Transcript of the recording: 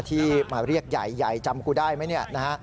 ที่มาเรียกใหญ่ใหญ่จำกูได้ไหมเนี่ยนะฮะ